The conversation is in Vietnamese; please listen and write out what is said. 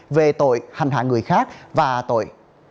về tội hành hạ người khác và tội